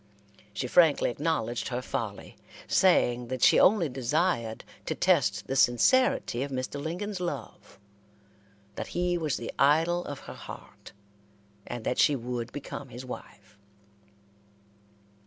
She frankly acknowledged her folly, saying that she only desired to test the sincerity of Mr. Lincoln's love, that he was the idol of her heart, and that she would become his wife.